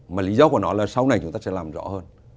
mà lý do của nó là sau này chúng ta sẽ làm rõ hơn